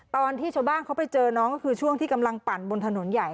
ตอนที่ชาวบ้านเขาไปเจอน้องก็คือช่วงที่กำลังปั่นบนถนนใหญ่